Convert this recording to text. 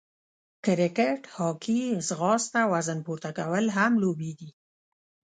کرکېټ، هاکې، ځغاسته، وزن پورته کول هم لوبې دي.